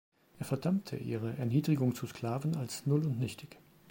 Er verdammte ihre Erniedrigung zu Sklaven als null und nichtig.